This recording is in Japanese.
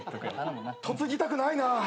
嫁ぎたくないなぁ。